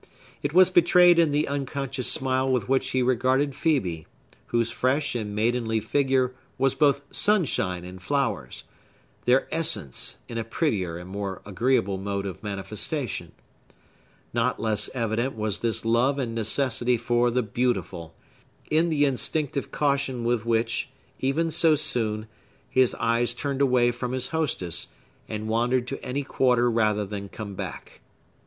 It was betrayed in the unconscious smile with which he regarded Phœbe, whose fresh and maidenly figure was both sunshine and flowers,—their essence, in a prettier and more agreeable mode of manifestation. Not less evident was this love and necessity for the Beautiful, in the instinctive caution with which, even so soon, his eyes turned away from his hostess, and wandered to any quarter rather than come back.